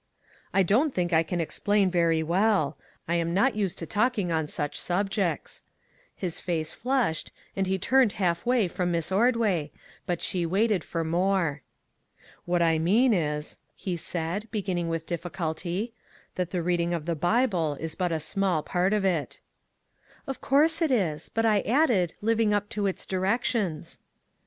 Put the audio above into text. " I don't think I can explain very well ; I am not used to talking on such subjects." His face flushed, and he turned half away from Miss Ordway, but she waited for more. " What I mean is," he said, beginning with difficulty, " that the reading of the Bible is but a small part of it." " Of course it is ; but I added, living up to its directions."